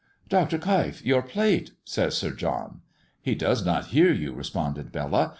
"Dr. Keif, your plate!" says Sir John. "He does not hear you," responded Bella.